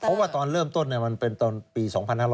เพราะว่าตอนเริ่มต้นมันเป็นตอนปี๒๕๖๐